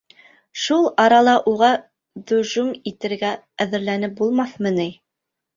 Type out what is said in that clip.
Шул арала уға ҙөжүм итергә әҙерләнеп булмаҫмы ни?